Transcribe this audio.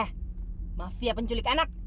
hah mafiar penculik anak